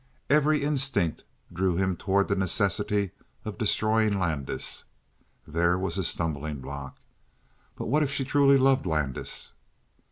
Every instinct drew him toward the necessity of destroying Landis. There was his stumbling block. But what if she truly loved Landis?